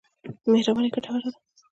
مهرباني ګټوره ده.